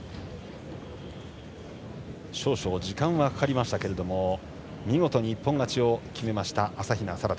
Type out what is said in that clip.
少々、時間はかかりましたが見事に一本勝ちを決めました朝比奈沙羅。